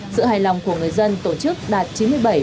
sự hài lòng của người dân tổ chức đạt chín mươi bảy chín mươi sáu